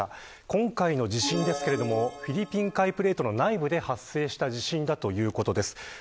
今回の地震ですがフィリピン海プレートの内部で発生した地震だということです。